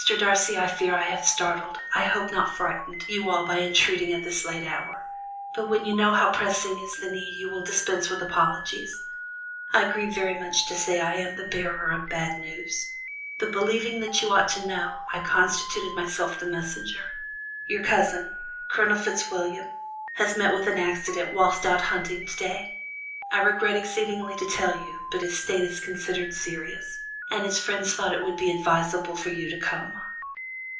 Darcy, I fear I have startled, I hope not frightened, you all by intruding at this late hour; but when you know how pressing is the need, you will dispense with apologies. I grieve very much to say to say I am the bearer of bad news, but believing that you ought to know, I constituted myself the messenger. Your cousin, Colonel Fitzwilliam, has met with an accident whilst out hunting to day. I regret exceedingly to tell you, but his state is considered serious, and his friends thought it would be advisable for you to come."